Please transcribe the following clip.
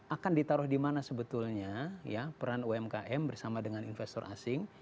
akan ditaruh dimana sebetulnya ya peran umkm bersama dengan investor asing